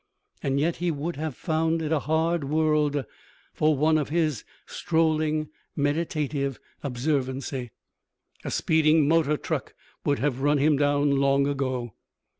And yet he would have found it a hard world for one of his strolling meditative observancy. A speeding motor truck would have run him down long ago!